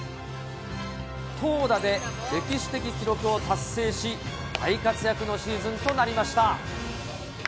投打で歴史的記録を達成し、大活躍のシーズンとなりました。